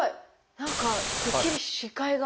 何かくっきり視界が。